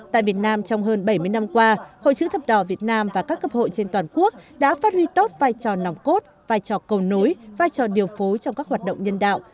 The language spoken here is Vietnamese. tại việt nam trong hơn bảy mươi năm qua hội chữ thập đỏ việt nam và các cấp hội trên toàn quốc đã phát huy tốt vai trò nòng cốt vai trò cầu nối vai trò điều phối trong các hoạt động nhân đạo